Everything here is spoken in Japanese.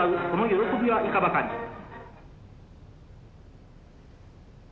この喜びはいかばかり」。